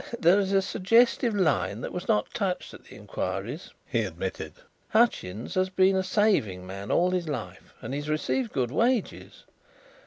"There is a suggestive line that was not touched at the inquiries," he admitted. "Hutchins has been a saving man all his life, and he has received good wages.